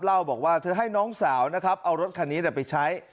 เล่าบอกว่าเธอให้น้องสาวนะครับเอารถคันนี้ไปใช้